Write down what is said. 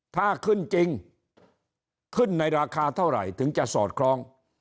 ถ้าขึ้นจริงขึ้นในราคาเท่าไหร่ถึงจะสอดคล้อง